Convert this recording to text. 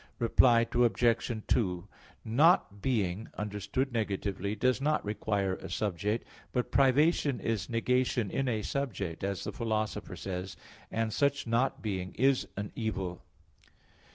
Reply Obj. 2: "Not being," understood negatively, does not require a subject; but privation is negation in a subject, as the Philosopher says (Metaph. iv, text 4), and such "not being" is an evil.